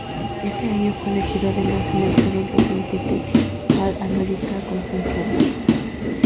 Ese año fue elegido además en el segundo quinteto All-America consensuado.